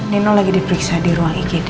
nino lagi diperiksa di ruang igd